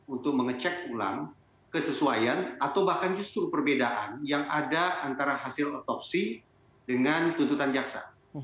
untuk mengecek ulang kesesuaian atau bahkan justru perbedaan yang ada antara hasil otopsi dengan tuntutan jaksa